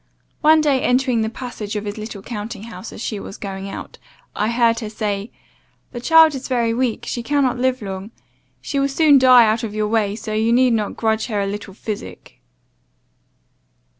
One day entering the passage of his little counting house, as she was going out, I heard her say, 'The child is very weak; she cannot live long, she will soon die out of your way, so you need not grudge her a little physic.